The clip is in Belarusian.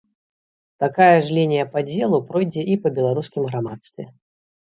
Такая ж лінія падзелу пройдзе і па беларускім грамадстве.